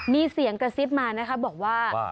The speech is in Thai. มีเสียงกระซิบมานะคะบอกว่า